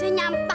elan ini siapa